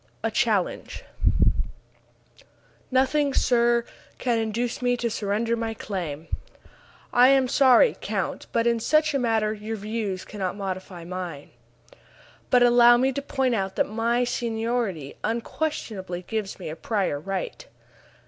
A CHALLENGE "Nothing, sir, can induce me to surrender my claim." "I am sorry, count, but in such a matter your views cannot modify mine." "But allow me to point out that my seniority unquestionably gives me a prior right."